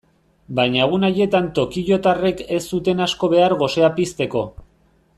Baina egun haietan tokiotarrek ez zuten asko behar gosea pizteko.